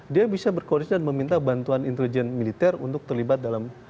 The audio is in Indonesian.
dia bisa berkoordinasi dan meminta bantuan intelijen militer untuk terlibat dalam